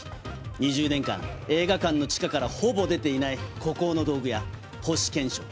２０年間映画館の地下からほぼ出ていない孤高の道具屋星憲章。